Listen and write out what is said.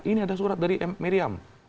ini ada surat dari miriam